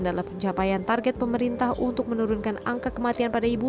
dalam pencapaian target pemerintah untuk menurunkan angka kematian pada ibu